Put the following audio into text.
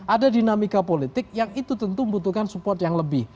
ada dinamika politik yang itu tentu membutuhkan support yang lebih